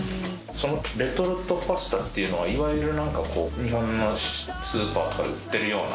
そのレトルトパスタっていうのはいわゆるなんかこう日本のスーパーとかで売ってるような？